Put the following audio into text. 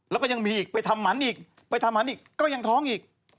แล้วก็ยังมีอีกไปทำหมันอีกไปทำหมันอีกก็ยังท้องอีก